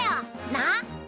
なっ？